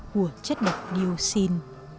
của chất độc điều xin